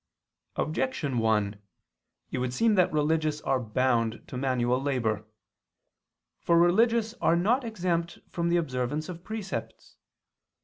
Objection 1: It would seem that religious are bound to manual labor. For religious are not exempt from the observance of precepts.